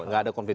gak ada konflik